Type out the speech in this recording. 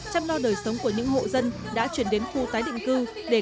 chăm lo đời sống của những hộ dân đã chuyển đến khu tái định cư để có đất cho dự án